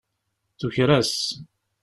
Tuker-as.